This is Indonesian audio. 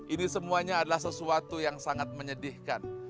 ini semuanya adalah sesuatu yang sangat menyedihkan